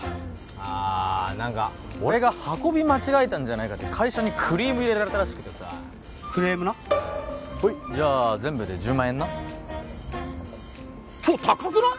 ああ何か俺が運び間違えたんじゃないかと会社にクリーム入れられたらしくてさクレームなほいじゃあ全部で１０万円なちょっ高くない！？